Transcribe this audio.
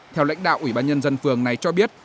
theo lãnh đạo ủy ban nhân dân phường này cho biết